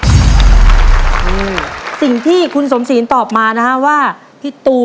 แล้ววันนี้ผมมีสิ่งหนึ่งนะครับเป็นตัวแทนกำลังใจจากผมเล็กน้อยครับ